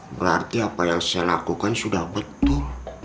berarti apa yang saya lakukan sudah betul